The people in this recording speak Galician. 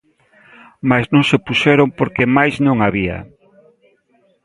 Máis non se puxeron por que máis non había.